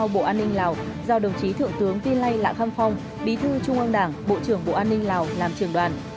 bí thư trung an đảng bộ trưởng bộ an ninh lào làm trường đoàn